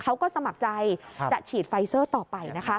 สมัครใจจะฉีดไฟเซอร์ต่อไปนะคะ